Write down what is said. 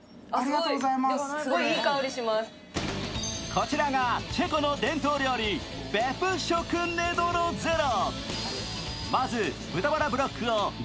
こちらがチェコの伝統料理ヴェプショクネドロゼロ。